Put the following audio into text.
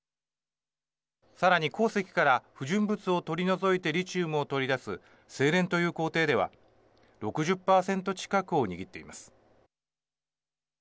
さらに鉱石から不純物を取り除いてリチウムを取り出す精錬という工程では６０％近くを握っています。